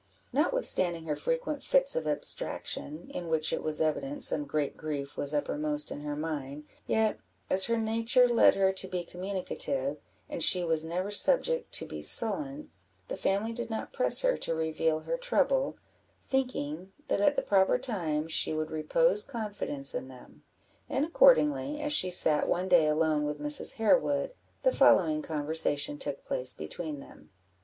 Notwithstanding her frequent fits of abstraction, in which it was evident some great grief was uppermost in her mind, yet, as her nature led her to be communicative, and she was never subject to be sullen, the family did not press her to reveal her trouble, thinking that at the proper time she would repose confidence in them; and accordingly, as she sat one day alone with Mrs. Harewood, the following conversation took place between them.